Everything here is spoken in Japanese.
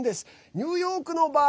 ニューヨークの場合